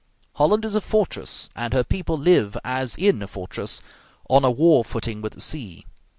Holland is a fortress, and her people live as in a fortress, on a war footing with the sea.